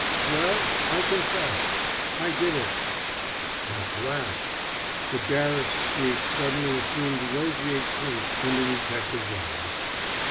"Well, I confess! I did it!" At last! The garish street suddenly assumed roseate tints in the detective's eyes.